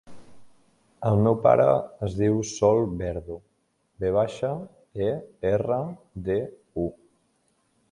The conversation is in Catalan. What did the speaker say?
El meu pare es diu Sol Verdu: ve baixa, e, erra, de, u.